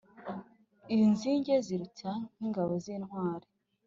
Inzige zirihuta nk’ingabo z’intwari,